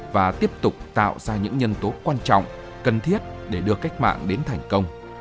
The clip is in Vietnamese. và tiếp tục tạo ra những nhân tố quan trọng cần thiết để đưa cách mạng vào đời